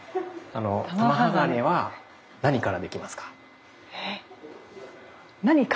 あの玉鋼は何からできますか？